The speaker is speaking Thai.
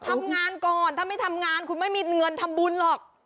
ทำงานก่อนถ้าไม่ทำงานคุณไม่มีเงินทำบุญหรอก